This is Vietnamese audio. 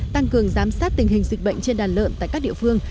tăng cường giám sát tình hình dịch bệnh trên đàn lợn tại các địa phương